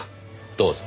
どうぞ。